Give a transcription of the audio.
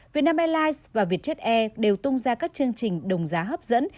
vietnam airlines và vietjet air đều tung ra các chương trình đồng giá hấp dẫn